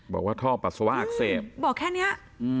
บอกว่าท่อปัสสาวะอักเสบบอกแค่นี้